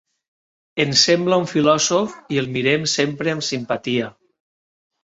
Ens sembla un filòsof i el mirem sempre amb simpatia.